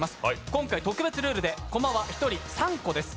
今回特別ルールで駒は１人３個です。